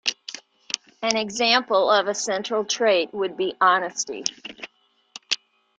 An example of a central trait would be honesty.